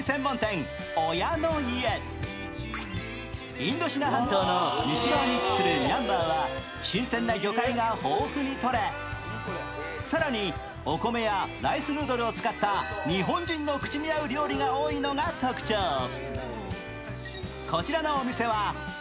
インドシナ半島の西側に位置するミャンマーは新鮮な魚介が豊富にとれ更に、お米やライスヌードルを使った本格的な味が評判を呼び、多くの客が訪れる人気店。